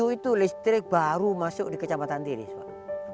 seribu sembilan ratus sembilan puluh tujuh itu listrik baru masuk ke kecamatan tiris pak